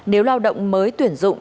nếu lao động mới tuyển dụng